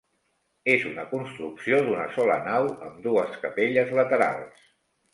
És una construcció d'una sola nau, amb dues capelles laterals.